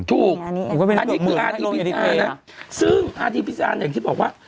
ถูกอันนี้คืออาร์ทีพีซีอาร์นะซึ่งอาร์ทีพีซีอาร์อย่างที่บอกว่า